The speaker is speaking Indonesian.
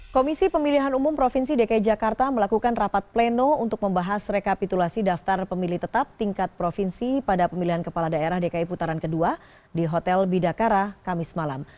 komisi pemilihan umum provinsi dki jakarta melakukan rapat pleno untuk membahas rekapitulasi daftar pemilih tetap tingkat provinsi pada pemilihan kepala daerah dki putaran kedua di hotel bidakara kamis malam